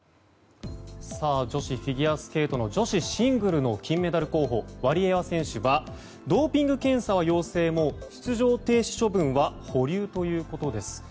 女子フィギュアスケートの女子シングルの金メダル候補ワリエワ選手はドーピング検査は陽性も出場停止処分は保留ということです。